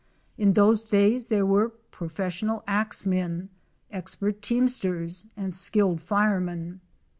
In those days there were "profes sional axe men," expert teamsters," and ''skilled firemen."